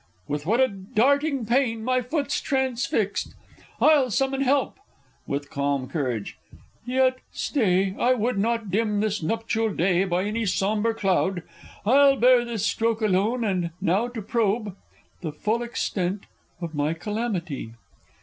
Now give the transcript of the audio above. With what a darting pain my foot's transfixed! I'll summon help (with calm courage) yet, stay, I would not dim This nuptial day by any sombre cloud. I'll bear this stroke alone and now to probe The full extent of my calamity.